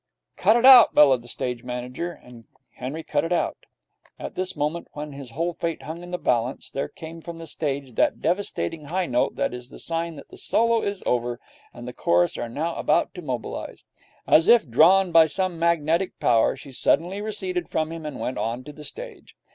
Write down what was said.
'Cut it out!' bellowed the stage manager, and Henry cut it out. And at this moment, when his whole fate hung in the balance, there came from the stage that devastating high note which is the sign that the solo is over and that the chorus are now about to mobilize. As if drawn by some magnetic power, she suddenly receded from him, and went on to the stage.